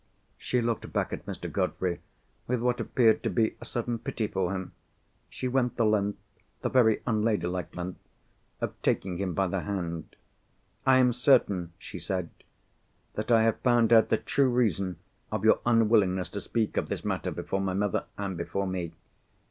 She looked back at Mr. Godfrey, with what appeared to be a sudden pity for him. She went the length—the very unladylike length—of taking him by the hand. "I am certain," she said, "that I have found out the true reason of your unwillingness to speak of this matter before my mother and before me.